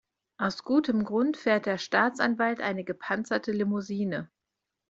Aus gutem Grund fährt der Staatsanwalt eine gepanzerte Limousine.